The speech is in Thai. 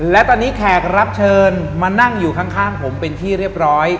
และตอนนี้แขกรับเชิญมานั่งอยู่ข้างผมเป็นที่เรียบร้อย